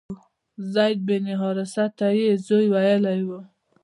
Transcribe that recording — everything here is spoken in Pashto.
زید بن حارثه ته یې زوی ویلي و.